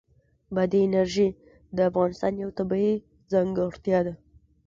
بادي انرژي د افغانستان یوه طبیعي ځانګړتیا ده.